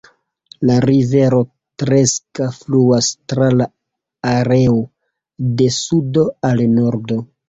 La rivero Treska fluas tra la areo de sudo al nordo.